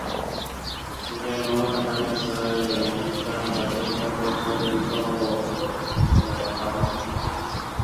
期间多话的麦克斯向乔治透露是受友人之托来杀对象。